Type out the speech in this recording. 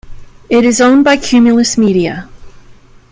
It is owned by Cumulus Media.